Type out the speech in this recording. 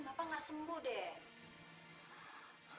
bapak gak sembuh deh